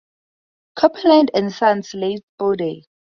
Copeland and Sons, late Spode.